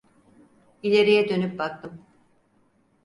İleriye dönüp baktım.